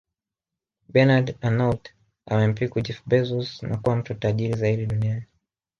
Bernard Arnault amempiku Jeff Bezos na kuwa mtu tajiri zaidi duniani